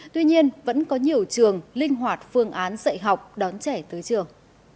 tuy nhiên vẫn có nhiều trường linh hoạt phương án dạy học đón trẻ tới trường